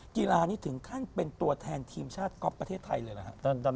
กีฬานี่ถึงขั้นเป็นตัวแทนทีมชาติก๊อปประเทศไทยเลยหรือครับ